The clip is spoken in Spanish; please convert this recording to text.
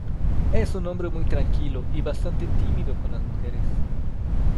Es un hombre muy tranquilo y bastante tímido con las mujeres.